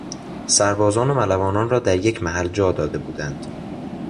سربازان و ملوانان را در یک محل جا داده بودند.